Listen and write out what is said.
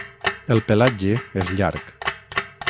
El pelatge és llarg.